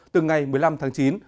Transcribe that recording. từ ngày một mươi năm tháng chín